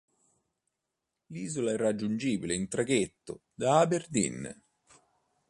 L'isola è raggiungibile in traghetto da Aberdeen.